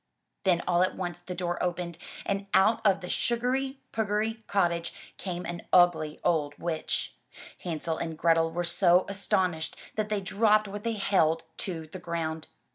Then all at once the door opened, and out of the sugary pugary cottage, came an ugly old witch. Hansel and Grethel were so astonislied that they dropped what they held to the ground.